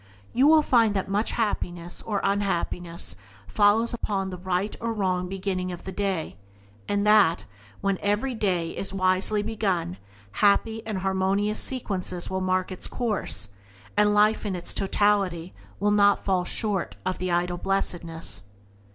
You will find that much happiness or unhappiness follows upon the right or wrong beginning of the day, and that, when every day is wisely begun, happy and harmonious sequences will mark its course, and life in its totality will not fall far short of the ideal blessedness.